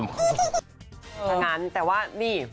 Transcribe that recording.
อย่างนั้นแต่ว่านี่